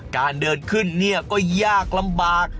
การเดินขึ้นเนี่ยก็ยากลำบาก